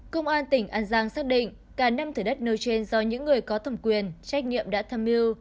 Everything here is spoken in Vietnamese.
công an tỉnh an giang xác định cả năm thửa đất nơi trên do những người có thẩm quyền trách nhiệm đã tham mưu